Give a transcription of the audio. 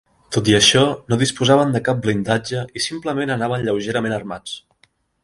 Tot i això no disposaven de cap blindatge i simplement anaven lleugerament armats.